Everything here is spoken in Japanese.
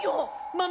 ママ！